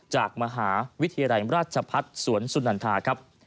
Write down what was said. จากมหาวิทยาลัยราชพัฒน์สวนสุนันทาครับ